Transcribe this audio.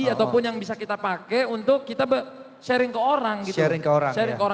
ataupun yang bisa kita pakai untuk kita sharing ke orang gitu